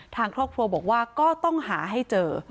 ทางครอบครัวบอกว่าก็ต้องหาให้เจอ